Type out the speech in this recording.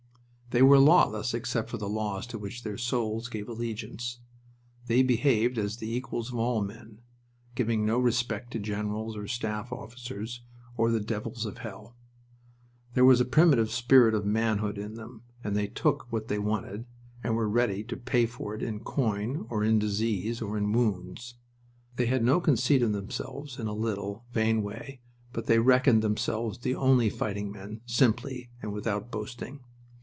They were lawless except for the laws to which their souls gave allegiance. They behaved as the equals of all men, giving no respect to generals or staff officers or the devils of hell. There was a primitive spirit of manhood in them, and they took what they wanted, and were ready to pay for it in coin or in disease or in wounds. They had no conceit of themselves in a little, vain way, but they reckoned themselves the only fighting men, simply, and without boasting.